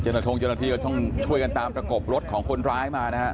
ทงเจ้าหน้าที่ก็ต้องช่วยกันตามประกบรถของคนร้ายมานะฮะ